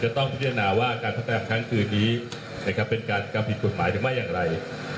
จะต้องพิจารณาว่าการพักแรมทั้งคืนนี้เป็นการกลับผิดกฎหมายถึงไม่อย่างไร